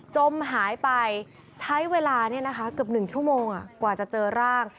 จมหายไปใช้เวลาเกือบ๑ชั่วโมงกว่าจะเจอร่าง